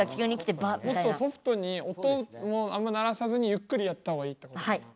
もっとソフトに音もあんま鳴らさずにゆっくりやった方がいいってことかな？